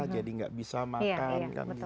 jadi tidak bisa makan